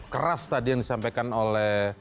keras tadi yang disampaikan oleh